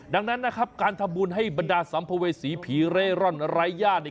ดังนั้นนะครับการทำบุญให้บรรดาสัมภเวร์ศรี